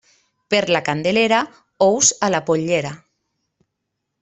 Per la Candelera, ous a la pollera.